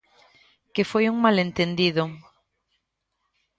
Que foi un malentendido.